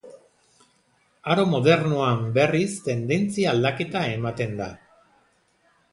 Aro modernoan berriz tendentzia aldaketa ematen da.